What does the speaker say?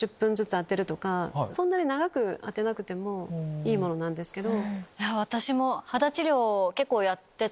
そんなに長く当てなくてもいいものなんですけど。